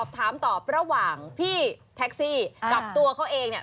ถามตอบระหว่างพี่แท็กซี่กับตัวเขาเองเนี่ย